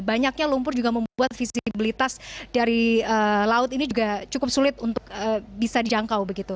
banyaknya lumpur juga membuat visibilitas dari laut ini juga cukup sulit untuk bisa dijangkau begitu